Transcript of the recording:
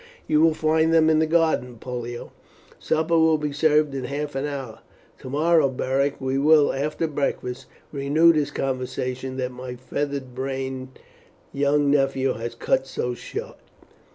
"You will find them in the garden, Pollio. Supper will be served in half an hour. Tomorrow, Beric, we will, after breakfast, renew this conversation that my feather brained young nephew has cut so short."